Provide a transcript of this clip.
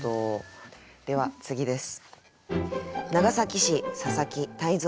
では次です。